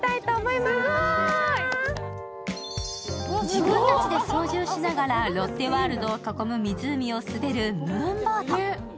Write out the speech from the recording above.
自分たちで操縦しながらロッテワールドを囲む湖を滑るムーンボート。